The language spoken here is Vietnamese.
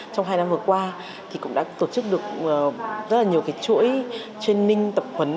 trong hai năm vừa qua thì cũng đã tổ chức được rất là nhiều cái chuỗi training tập huấn